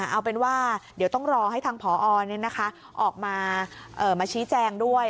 เอาเป็นว่าเดี๋ยวต้องรอให้ทางผอออกมาชี้แจงด้วย